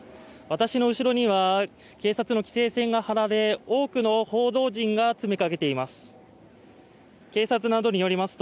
私の後ろには警察の規制線が張られ多くの報道陣が詰めかけています。